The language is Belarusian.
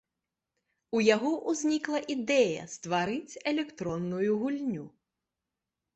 У яго ўзнікла ідэя стварыць электронную гульню.